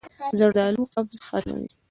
زردالو قبض ختموي.